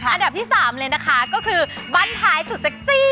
อันดับที่๓เลยนะคะก็คือบ้านท้ายสุดเซ็กซี่